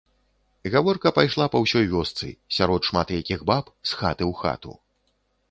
Гаворка пайшла па ўсёй вёсцы, сярод шмат якіх баб, з хаты ў хату.